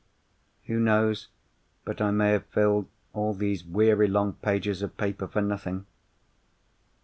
Who knows but I may have filled all these weary long pages of paper for nothing?